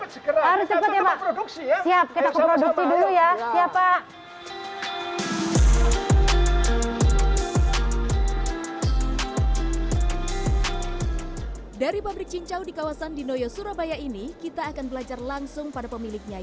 hai dari pabrik cincau di kawasan di noyo surabaya ini kita akan belajar langsung pada pemiliknya